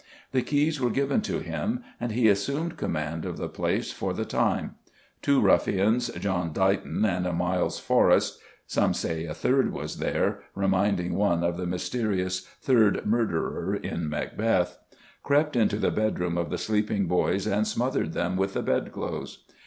The keys were given to him, and he assumed command of the place for the time. Two ruffians, John Dighton and Miles Forrest some say a third was there, reminding one of the mysterious third murderer in Macbeth crept into the bedroom of the sleeping boys and smothered them with the bedclothes.